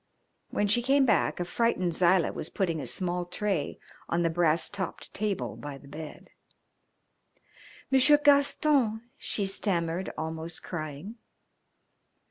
When she came back a frightened Zilah was putting a small tray on the brass topped table by the bed. "M'sieur Gaston," she stammered, almost crying.